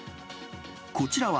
こちらは、